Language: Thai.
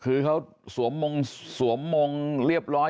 คือเขาสวมมงค์เรียบร้อย